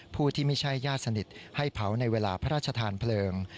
ผู้ที่ไม่ใช่ญาติสนิทให้เผาในเวลาพระราชทานเพลิง